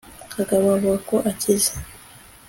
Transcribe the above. kagabo avuga ko akize